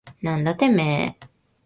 なんだてめえ。